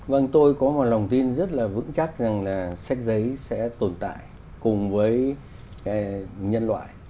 vâng tôi có một lòng tin rất là vững chắc rằng là sách giấy sẽ tồn tại cùng với nhân loại